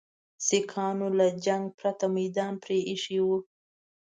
سیکهانو له جنګه پرته میدان پرې ایښی وو.